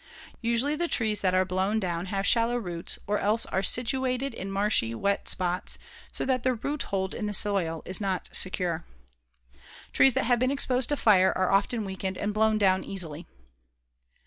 Usually the trees that are blown down have shallow roots or else are situated in marshy, wet spots so that their root hold in the soil is not secure. Trees that have been exposed to fire are often weakened and blown down easily.